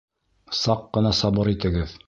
Саҡ ҡына сабыр итегеҙ.